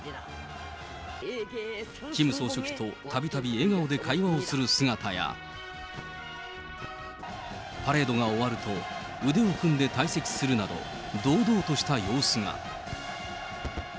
キム総書記とたびたび笑顔で会話をする姿や、パレードが終わると腕を組んで退席するなど、堂々とした様子が。